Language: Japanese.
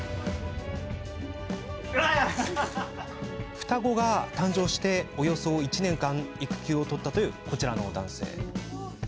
双子が誕生しておよそ１年間、育休を取ったこちらの男性。